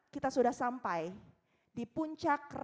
kita sudah sampai di puncak rangkaian acara ini